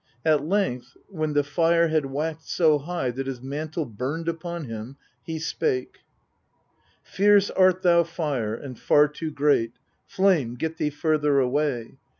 At length, when the fire had waxed so nigh that his mantle burned upon him, he spake : 1. Fierce art thou, fire ! and far too great ; flame, get thee further away